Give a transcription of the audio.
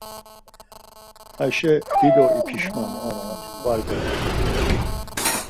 Ayşe dido ipişmanu ama var gaktinu.